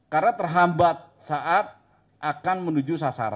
karena terhambat saat akan menuju ke luar